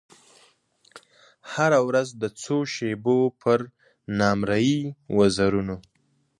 هره ورځ د څو شېبو پر نامریي وزرونو